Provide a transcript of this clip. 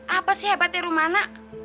apa sih hebatnya rumana